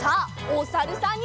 おさるさん。